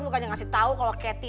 bukannya kasih tahu kalau catty